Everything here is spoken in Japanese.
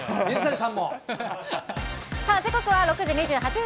さあ、時刻は６時２８分。